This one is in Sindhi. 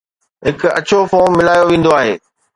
هڪ اڇو فوم ملايو ويندو آهي